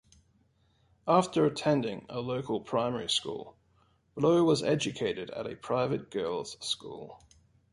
After attending a local primary school, Blow was educated at a private girls school.